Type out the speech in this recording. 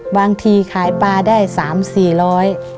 บางทีขายปลาได้สามสี่ร้อย